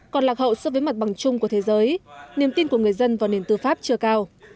còn lạc hậu so với mặt bằng chung của thế giới niềm tin của người dân vào nền tư pháp chưa cao